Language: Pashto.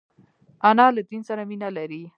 انا له دین سره مینه لري